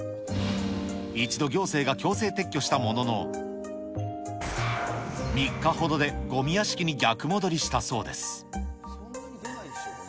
一度、行政が強制撤去したものの、３日ほどでごみ屋敷に逆戻りしたそうです。